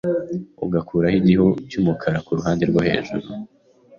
ugakuraho igihu cy’umukara ku ruhande rwo hejuru